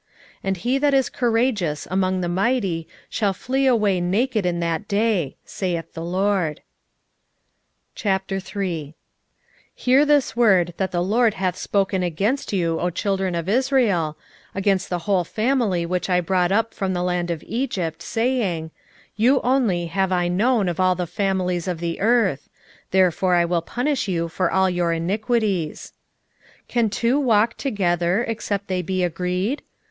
2:16 And he that is courageous among the mighty shall flee away naked in that day, saith the LORD. 3:1 Hear this word that the LORD hath spoken against you, O children of Israel, against the whole family which I brought up from the land of Egypt, saying, 3:2 You only have I known of all the families of the earth: therefore I will punish you for all your iniquities. 3:3 Can two walk together, except they be agreed?